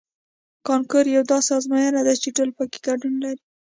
کانکور یوه داسې ازموینه ده چې ټول پکې ګډون لري